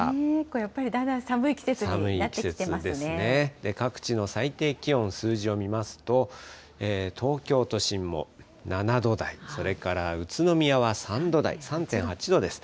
やっぱりだんだん寒い季節に各地の最低気温、数字を見ますと、東京都心も７度台、それから宇都宮は３度台、３．８度です。